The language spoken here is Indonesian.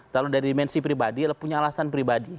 kalau dari dimensi pribadi punya alasan pribadi